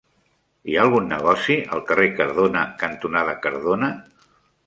Hi ha algun negoci al carrer Cardona cantonada Cardona?